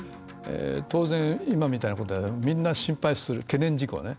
当然、今みたいなことはみんな心配する懸念事項ね。